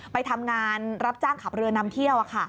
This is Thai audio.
ไปทำงานรับจ้างขับเรือนำเที่ยว